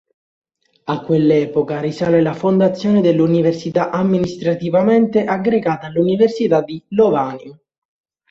A quell'epoca risale la fondazione dell'università amministrativamente aggregata all'università di Lovanio.